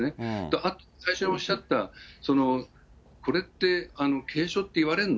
あと、最初におっしゃった、これって軽症って言われるの？